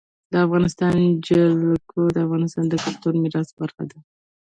د افغانستان جلکو د افغانستان د کلتوري میراث برخه ده.